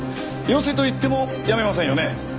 よせと言ってもやめませんよね？